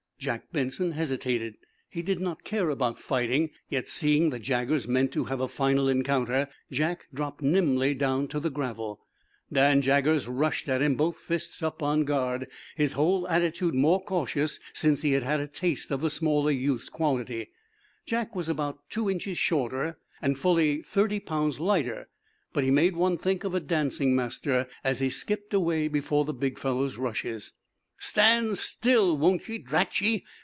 Jack Benson hesitated. He did not care about fighting. Yet, seeing that Jaggers meant to have a final encounter, Jack dropped nimbly down to the gravel. Dan Jaggers rushed at him, both fists up on guard, his whole attitude more cautious since he had had a taste of the smaller youth's quality. Jack was about two inches shorter and fully thirty pounds lighter, but he made one think of a dancing master as he skipped away before the big fellow's rushes. "Stand still, won't ye, drat ye?"